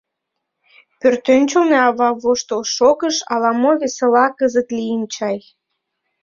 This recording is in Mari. Пӧртӧнчылнӧ ава воштыл шогыш, ала-мо весела кызыт лийын чай.